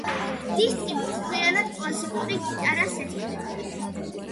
დისკი მთლიანად კლასიკურ გიტარას ეძღვნება.